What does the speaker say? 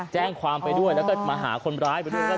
แจ้งความไปด้วยแล้วก็มาหาคนร้ายไปด้วย